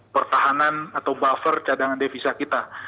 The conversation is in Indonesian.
pertahanan atau buffer cadangan devisa kita